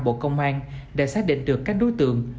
bộ công an đã xác định được các đối tượng